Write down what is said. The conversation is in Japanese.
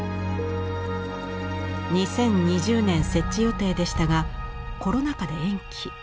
２０２０年設置予定でしたがコロナ禍で延期。